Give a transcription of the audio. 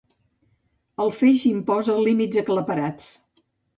El feix imposa límits aclaparats.